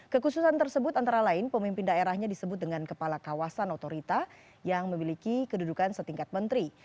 kekhususan tersebut antara lain pemimpin daerahnya disebut dengan kepala kawasan otorita yang memiliki kedudukan setingkat menteri